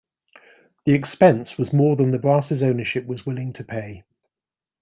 The expense was more than the Brass' ownership was willing to pay.